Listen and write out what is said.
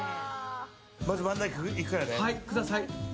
まず真ん中いくからね。